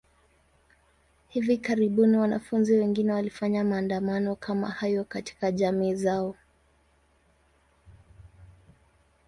Hivi karibuni, wanafunzi wengine walifanya maandamano kama hayo katika jamii zao.